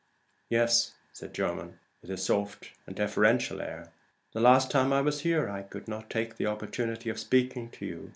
"Yes," said Jermyn, with his soft and deferential air. "The last time I was here I could not take the opportunity of speaking to you.